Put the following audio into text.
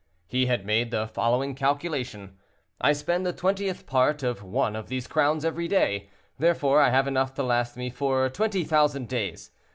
He had made the following calculation: "I spend the twentieth part of one of these crowns every day; therefore I have enough to last me for 20,000 days.